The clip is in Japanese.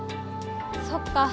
そっか。